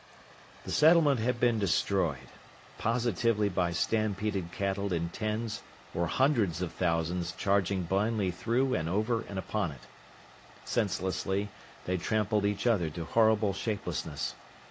The settlement had been destroyed, positively by stampeded cattle in tens or hundreds of thousands charging blindly through and over and upon it. Senselessly, they'd trampled each other to horrible shapelessness.